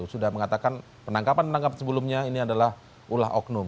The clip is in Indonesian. sudah mengatakan penangkapan penangkap sebelumnya ini adalah ulah oknum